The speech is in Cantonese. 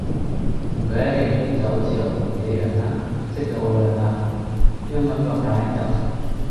同佢喺戲入邊就好似我同你一樣啦識咗好耐啦，呢種感覺駕輕就熟